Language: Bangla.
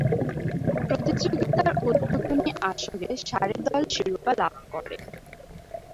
প্রতিযোগিতার উদ্বোধনী আসরে সারে দল শিরোপা লাভ করে।